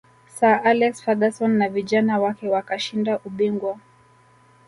sir alex ferguson na vijana wake wakashinda ubingwa